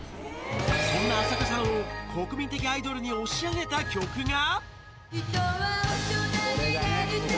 そんな浅香さんを、国民的アイドルに押し上げた曲が。